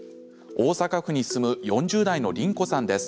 大阪府に住む４０代のりん子さんです。